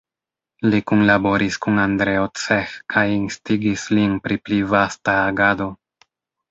Li kunlaboris kun Andreo Cseh kaj instigis lin pri pli vasta agado.